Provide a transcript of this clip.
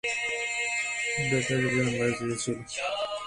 এটা তার জীবন বাঁচিয়েছিল।